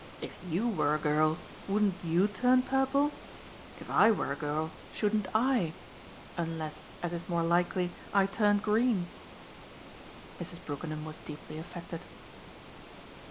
If YOU were a girl wouldn't YOU turn purple? If I were a girl shouldn't I unless, as is more likely, I turned green?" Mrs. Brookenham was deeply affected.